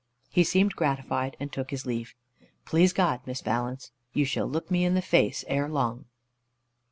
He seemed gratified, and took his leave. "Please God, Miss Valence, you shall look me in the face ere long."